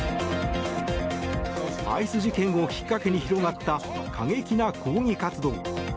アイス事件をきっかけに広がった過激な抗議活動。